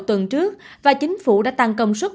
tuần trước và chính phủ đã tăng công suất